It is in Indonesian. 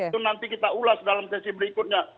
itu nanti kita ulas dalam sesi berikutnya